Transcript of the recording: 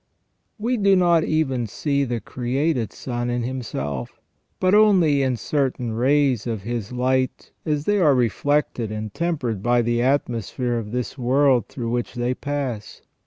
We do not even see the created sun in Himself, but only in certain rays of His light as they are reflected and tempered by the atmosphere of this world through which they pass.